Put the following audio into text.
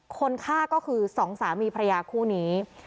คนฆ่าก็คือสองสามีภรรยาคู่นี้